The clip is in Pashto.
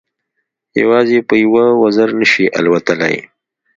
یوازې په یوه وزر نه شي الوتلای.